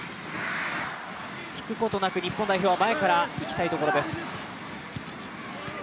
引くことなく日本代表は前からいきたいところです。